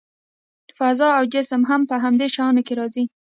فضا او جسم هم په همدې شیانو کې راځي.